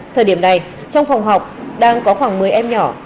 thời điểm này trong phòng học đang có khoảng một mươi em nhỏ